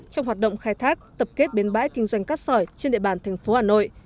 trong hoạt động khai thác tập kết bến bãi kinh doanh cát sỏi trên địa bàn tp hà nội